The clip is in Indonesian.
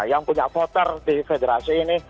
yang punya voter di federasi ini